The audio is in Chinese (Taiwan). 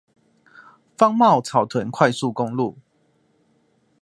芳苑草屯快速公路